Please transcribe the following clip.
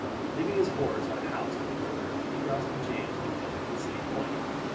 Leaving his horse at a house near the river, he crossed the James in a boat to City Point.